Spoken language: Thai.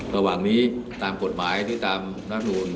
ตอนนี้ตามกฎหมายที่ตามรัฐธรรมนูล